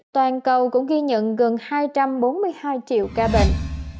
toàn cầu cũng ghi nhận gần hai trăm bốn mươi hai triệu ca bệnh